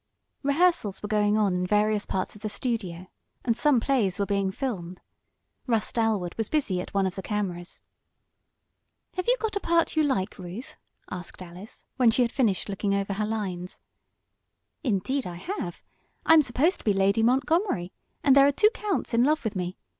Rehearsals were going on in various parts of the studio, and some plays were being filmed. Russ Dalwood was busy at one of the cameras. "Have you got a part you like, Ruth?" asked Alice, when she had finished looking over her lines. "Indeed I have, I'm supposed to be Lady Montgomery, and there are two counts in love with me.